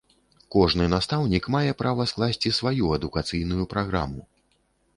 Кожны настаўнік мае права скласці сваю адукацыйную праграму.